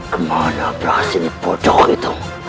kemana prahasini bodoh itu